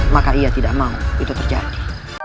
maka ia tidak mau itu terjadi